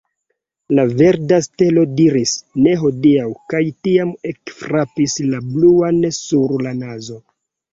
La verda stelo diris, ne hodiaŭ, kaj tiam ekfrapis la bluan sur la nazo.